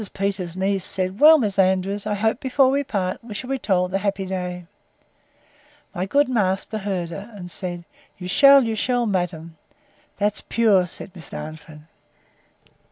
Peters's niece said, Well, Miss Andrews, I hope, before we part, we shall be told the happy day. My good master heard her, and said, You shall, you shall, madam.—That's pure, said Miss Darnford.